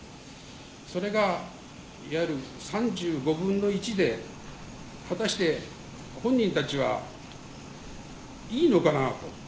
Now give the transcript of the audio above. それがいわゆる３５分の１で果たして本人たちはいいのかなと。